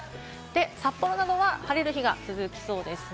札幌などは晴れる日が続きそうですね。